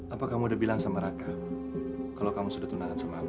apa kamu udah bilang sama ragam kalau kamu sudah tunangan sama aku